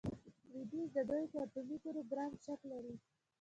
لویدیځ د دوی په اټومي پروګرام شک لري.